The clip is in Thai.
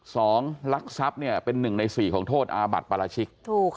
สองรักษัพเป็นหนึ่งในสี่ของโทษอาบัติปราชิก